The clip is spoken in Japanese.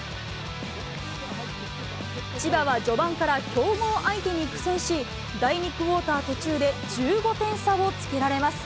千葉は序盤から強豪相手に苦戦し、第２クオーター途中で１５点差をつけられます。